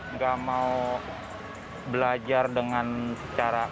nggak mau belajar dengan secara detail